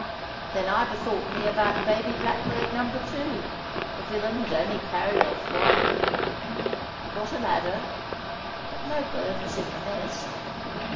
Then I bethought me about baby blackbird No. 2. The villain had only carried off one. We got a ladder, but no bird was in the nest!